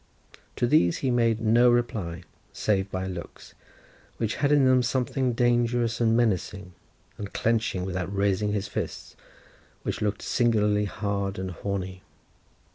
To these he made no reply save by looks, which had in them something dangerous and menacing, and clenching without raising his fists, which looked singularly hard and horny.